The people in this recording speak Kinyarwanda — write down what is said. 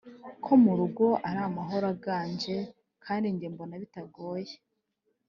ko mu rugo ariho amahoro aganje* kandi njye mbona bitagoye!